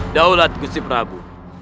daulat gusti prabu